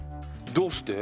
どうして？